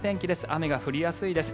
雨が降りやすいです。